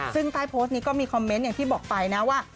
ซึ่งใต้โพสต์นี้ก็มีคอมเมนต์อย่างที่บอกไปนะว่า